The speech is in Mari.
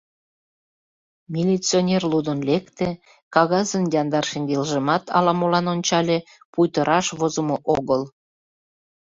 Милиционер лудын лекте, кагазын яндар шеҥгелжымат ала-молан ончале, пуйто раш возымо огыл.